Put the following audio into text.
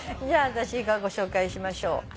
じゃあ私がご紹介しましょう。